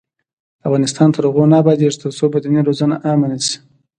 افغانستان تر هغو نه ابادیږي، ترڅو بدني روزنه عامه نشي.